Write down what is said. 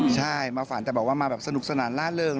ใช่มาฝันแต่บอกว่ามาแบบสนุกสนานล่าเริง